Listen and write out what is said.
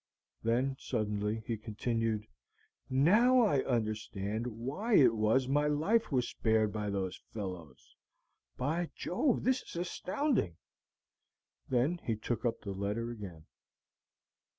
Then suddenly he continued, "now I understand why it was my life was spared by those fellows. By Jove, this is astounding!" Then he took up the letter again.